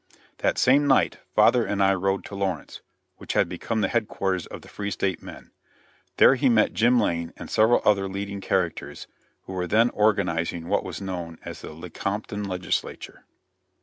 That same night father and I rode to Lawrence, which had become the headquarters of the Free State men. There he met Jim Lane and several other leading characters, who were then organizing what was known as the Lecompton Legislature.